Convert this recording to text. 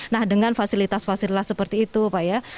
nah dengan fasilitas fasilitas seperti itu pak ya